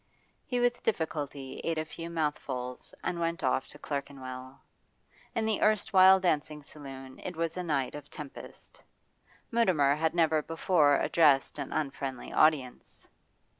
He with difficulty ate a few mouthfuls and went off to Clerkenwell. In the erstwhile dancing saloon it was a night of tempest. Mutimer had never before addressed an unfriendly audience.